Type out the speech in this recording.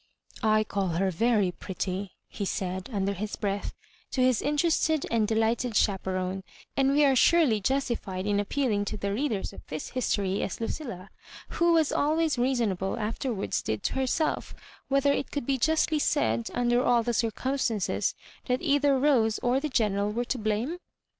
" I call her very pretty," he said, under his breath, to his interested and delighted chaperone ; and we are surely justified in appealing to the readers of this history, as Lucilla, who was always reason able, afterwards did to herself, whether it could bejustljcsaid, under all the circumstances, that either Rose or the General were to blame?